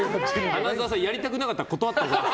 花澤さん、やりたくなかったら断ってもいい。